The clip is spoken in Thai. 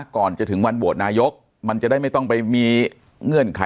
ก่อนจะถึงวันโหวตนายกมันจะได้ไม่ต้องไปมีเงื่อนไข